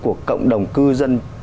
của cộng đồng cư dân